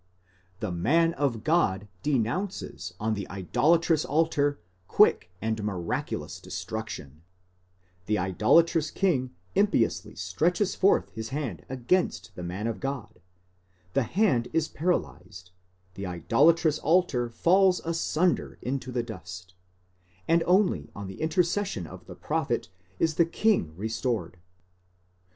The man of God denounces on the idolatrous altar quick and miraculous destruction ; the idolatrous king impiously stretches forth his hand against the man of God: the hand is paralyzed, the idolatrous altar falls asunder into the dust, and only on the intercession of the prophet is the king restored.